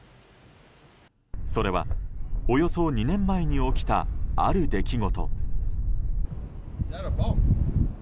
それは、およそ２年前に起きたある出来事。